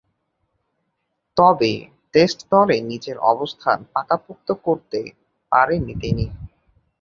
তবে, টেস্ট দলে নিজের অবস্থান পাকাপোক্ত করতে পারেননি তিনি।